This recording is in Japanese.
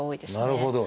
なるほど。